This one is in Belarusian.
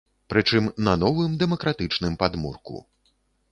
Прычым, на новым дэмакратычным падмурку.